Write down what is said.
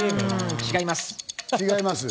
違います。